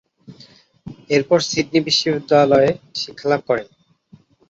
এরপর সিডনি বিশ্ববিদ্যালয়ে শিক্ষালাভ করেন।